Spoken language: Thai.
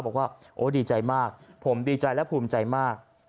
บอกว่าโอ้ดีใจมากผมดีใจและภูมิใจมาก